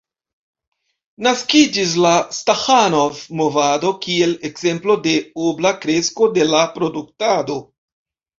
Naskiĝis la Staĥanov-movado kiel ekzemplo de la obla kresko de la produktado.